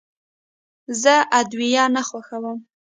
زه ادویه نه خوښوم.